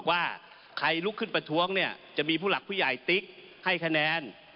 ว่าใครลุกขึ้นประท้วงเนี่ยจะมีผู้หลักผู้ใหญ่ติ๊กให้คะแนน